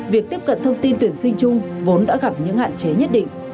việc tiếp cận thông tin tuyển sinh chung vốn đã gặp những hạn chế nhất định